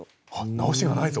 直しがないぞ！